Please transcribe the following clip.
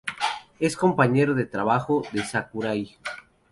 Es compañero de trabajo de Sakurai.